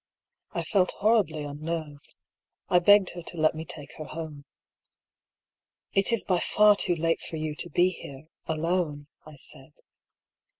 1 felt horribly unnerved. I begged her to let me take her home. " It is by far too late for you to be here — alone," I said.